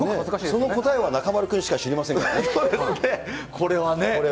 その答えは中丸君しか知りませんけどね。